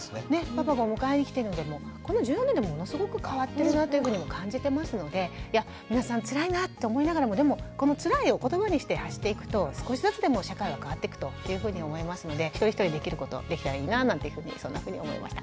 パパがお迎えに来てるんでこの１０年でものすごく変わってるなというふうにも感じてますので皆さんつらいなって思いながらもでもこのつらいを言葉にして発していくと少しずつでも社会は変わっていくというふうに思いますので一人一人できることできたらいいななんていうふうにそんなふうに思いました。